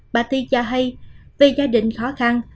bà ti cho hay vì gia đình khó khăn